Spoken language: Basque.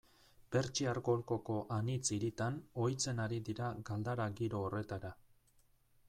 Pertsiar Golkoko anitz hiritan ohitzen ari dira galdara giro horretara.